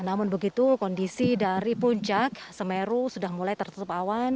namun begitu kondisi dari puncak semeru sudah mulai tertutup awan